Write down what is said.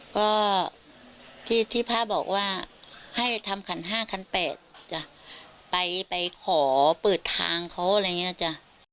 ก็ที่พระบอกว่าให้ทำขันห้าขันแปดจ้ะไปไปขอเปิดทางเขาอะไรอย่างนี้นะจ๊ะ